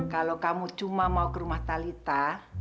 kalau kamu cuma mau ke rumah talitha